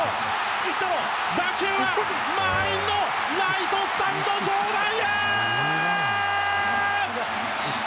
打球は満員のライトスタンド上段へ！